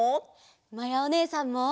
まやおねえさんも。